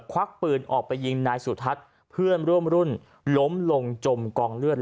ควักปืนออกไปยิงนายสุทัศน์เพื่อนร่วมรุ่นล้มลงจมกองเลือด